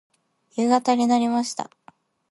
夕方になりました。